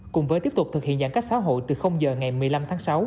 cùng với tiếp tục thực hiện giãn cách xã hội từ giờ ngày một mươi năm tháng sáu